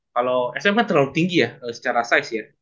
kalau sm kan terlalu tinggi ya secara size ya